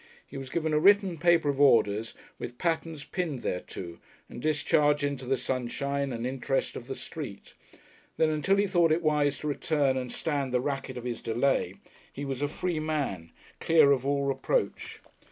He was given a written paper of orders with patterns pinned thereto, and discharged into the sunshine and interest of the street. Then, until he thought it wise to return and stand the racket of his delay, he was a free man, clear of all reproach.